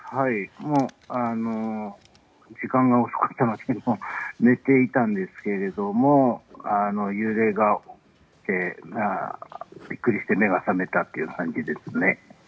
時間が遅くて寝ていたんですけれども揺れがあってビックリして目が覚めたという感じですね。